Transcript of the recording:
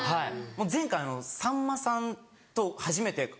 前回さんまさんと初めて。